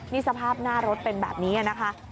นี่สภาพหน้ารถเป็นแบบนี้นะคะ